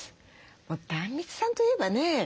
もう壇蜜さんといえばね